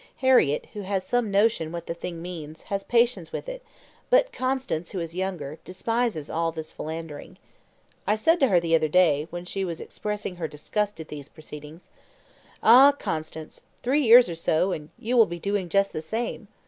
Harriett, who has some notion what the thing means, has patience with it, but Constance, who is younger, despises all this philandering. I said to her the other day, when she was expressing her disgust at these proceedings, 'Ah, Constance! three years or so, and you will be doing just the same.